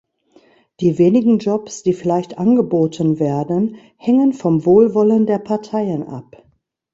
Die wenigen Jobs, die vielleicht angeboten werden, hängen vom Wohlwollen der Parteien ab.